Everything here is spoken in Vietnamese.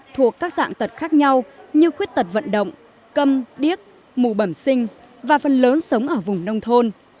thuộc các dạng tật khác nhau như khuyết tật vận động cầm điếc mù bẩm sinh và phần lớn sống ở vùng nông thôn